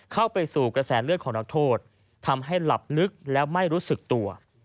เข้าไปสู่กระแสเลือดของนักโทษทำให้หลับลึกแล้วไม่รู้สึกตัว